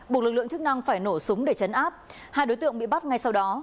buộc lực lượng chức năng phải nổ súng để chấn áp hai đối tượng bị bắt ngay sau đó